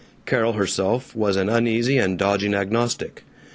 Carol herself was an uneasy and dodging agnostic.